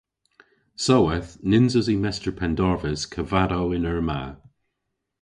Soweth nyns usi Mester Pendarves kavadow yn eur ma.